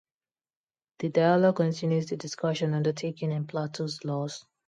The dialogue continues the discussion undertaken in Plato's "Laws".